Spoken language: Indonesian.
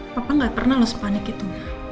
papa gak pernah lo sepanik gitu